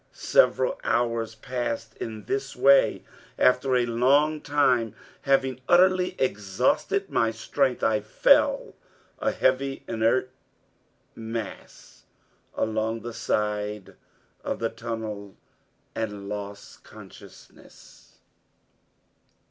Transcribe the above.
Several hours passed in this way. After a long time, having utterly exhausted my strength, I fell a heavy inert mass along the side of the tunnel, and lost consciousness.